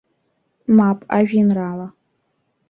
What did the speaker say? Мап, ажәеинраала.